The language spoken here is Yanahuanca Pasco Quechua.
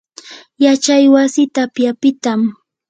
yachay wasi tapyapitam.